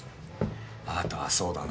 あとはそうだな